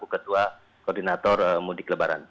ketua koordinator mudik lebaran